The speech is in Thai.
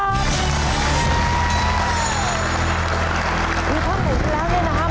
มีข้อเห็นที่แล้วนี่นะครับ